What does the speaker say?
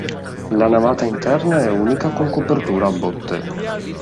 La navata interna è unica con copertura a botte.